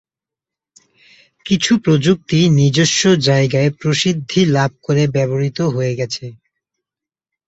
কিছু প্রযুক্তি নিজস্ব জায়গায় প্রসিদ্ধি লাভ করে ব্যবহৃত হয়ে গেছে।